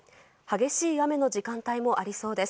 激しい雨の時間帯もありそうです。